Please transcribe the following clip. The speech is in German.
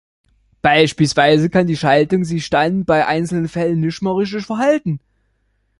Beispielsweise kann die Schaltung sich dann bei einzelnen Fällen nicht mehr richtig verhalten.